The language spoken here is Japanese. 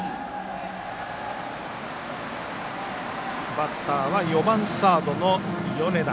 バッターは４番サードの米田。